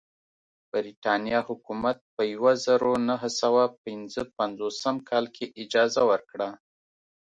برېټانیا حکومت په یوه زرو نهه سوه پنځه پنځوسم کال کې اجازه ورکړه.